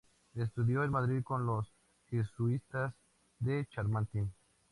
Estudió en Madrid con los Jesuitas de Chamartín.